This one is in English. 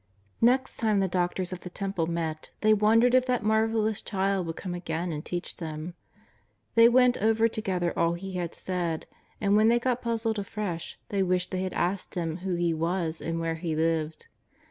!N'ext time the doctors of the Temple met they won dered if that marvellous Child would come again and teach them. They went over together all He had said, and when they got puzzled afresh they wished they had asked Ilim who He was and where He lived.